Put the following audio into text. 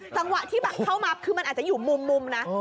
จังหวะที่แบบเข้ามาคือมันอาจจะอยู่มุมนะ